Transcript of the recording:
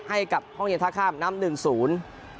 ให้กับห้องเย็นท่าข้ามนำหนึ่งศูนย์